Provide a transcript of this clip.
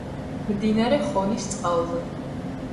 მდინარე ხონის წყალზე.